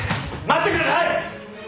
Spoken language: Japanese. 待ってください！